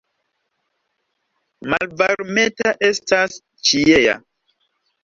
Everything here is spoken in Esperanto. Malvarmeta estas ĉiea.